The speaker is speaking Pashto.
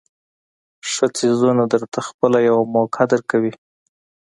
ښه څیزونه درته خپله یوه موقع درکوي.